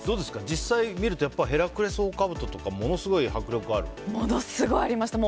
実際に見るとヘラクレスオオカブトとかものすごいありました。